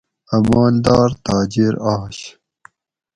اۤ مالدار تاجر آش